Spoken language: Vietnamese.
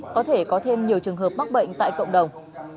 có thể có thêm nhiều trường hợp mắc bệnh tại cộng đồng